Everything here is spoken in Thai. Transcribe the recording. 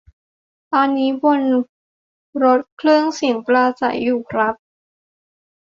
ตอนนี้บนรถเครื่องเสียงปราศรัยอยู่ครับ